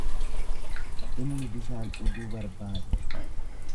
Inni bishaan dhuguu barbaade.